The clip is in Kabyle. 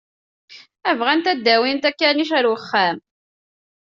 Bɣant ad d-awint akanic ar wexxam.